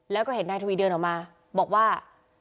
แล้วก็เห็นนายทวีเดินออกมาบอกว่า